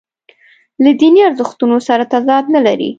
له دیني ارزښتونو سره تضاد نه لري.